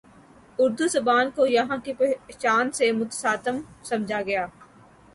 اردو زبان کو یہاں کی پہچان سے متصادم سمجھا گیا